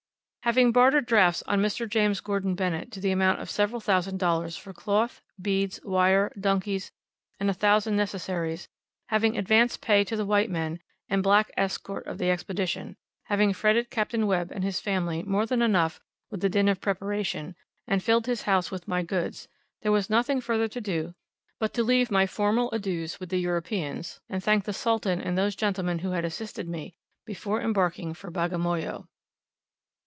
Having bartered drafts on Mr. James Gordon Bennett to the amount of several thousand dollars for cloth, beads, wire, donkeys, and a thousand necessaries, having advanced pay to the white men, and black escort of the Expedition, having fretted Capt. Webb and his family more than enough with the din of preparation, and filled his house with my goods, there was nothing further to do but to leave my formal adieus with the Europeans, and thank the Sultan and those gentlemen who had assisted me, before embarking for Bagamoyo.